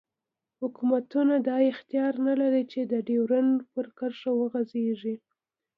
حوکمتونه دا اختیار نه لری چی د ډیورنډ پر کرښه وغږیږی